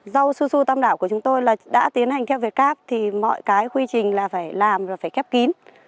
rau su su tam đảo của chúng tôi là đã tiến hành theo việt cáp thì mọi cái quy trình là phải làm rồi phải khép kín